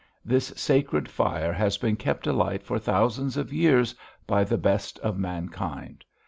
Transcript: This sacred fire has been kept alight for thousands of years by the best of mankind.